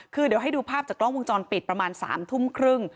คือเดี๋ยวให้ดูภาพจากกล้องวงจรปิดประมาณ๓ทุ่มครึ่ง